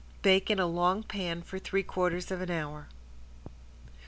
Bake in a long pan for three quarters of an hour.